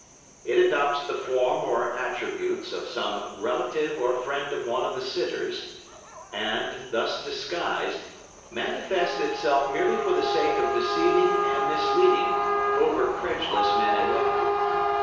It adopts the form, or attributes, of some relative or friend of one of the sitters, and, thus disguised, manifests itself merely for the sake of deceiving and misleading over credulous men and women.